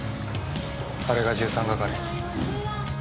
あれが１３係。